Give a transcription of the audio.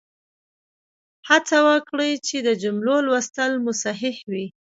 هڅه وکړئ چې د جملو لوستل مو صحیح وي.